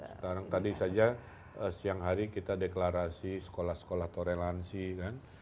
sekarang tadi saja siang hari kita deklarasi sekolah sekolah torelansi kan